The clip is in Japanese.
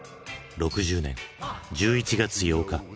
６０年１１月８日。